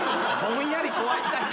ぼんやり怖い痛い。